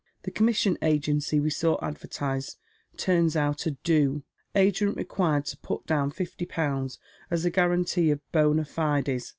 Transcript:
The commission agency we saw advertised turns out a ' do.' Agent requiieb to put down fifty pounds as a guarantee of bnna la/es.